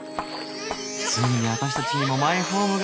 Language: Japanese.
ついにアタシたちにもマイホームが。